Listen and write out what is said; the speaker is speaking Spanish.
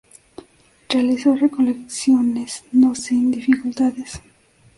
Realizó recolecciones, no sin dificultades.